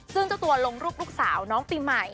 ซึ่งเจ้าตัวลงรูปลูกสาวน้องปีใหม่